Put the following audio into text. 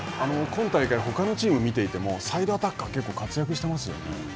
今大会他のチームを見ていてもサイドアタッカー結構活躍していますよね。